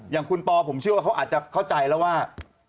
อย่างคุณปอผมเชื่อว่าเขาอาจจะเข้าใจแล้วว่า